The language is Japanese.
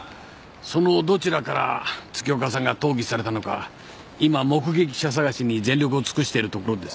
そのどちらから月岡さんが投棄されたのか今目撃者捜しに全力を尽くしてるところです。